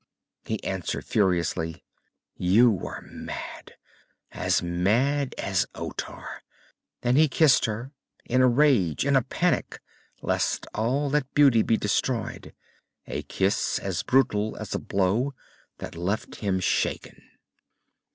He answered furiously, "You are mad. As mad as Otar." And he kissed her, in a rage, in a panic lest all that beauty be destroyed a kiss as brutal as a blow, that left him shaken.